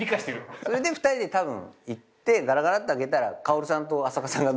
それで２人で行ってガラガラって開けたら薫さんと朝加さんが飲んでた。